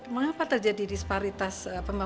mengapa terjadi disparitas